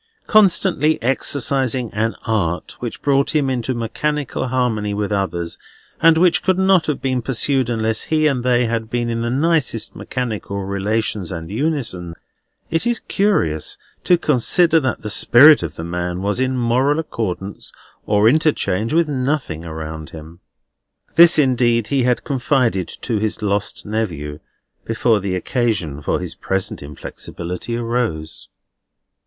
Constantly exercising an Art which brought him into mechanical harmony with others, and which could not have been pursued unless he and they had been in the nicest mechanical relations and unison, it is curious to consider that the spirit of the man was in moral accordance or interchange with nothing around him. This indeed he had confided to his lost nephew, before the occasion for his present inflexibility arose.